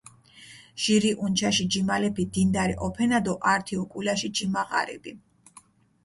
ჟირი უნჩაში ჯიმალეფი დინდარი ჸოფენა დო ართი უკულაში ჯიმა ღარიბი.